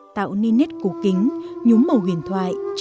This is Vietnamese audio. tạo nên nét cổ kính nhúm màu huyền thuật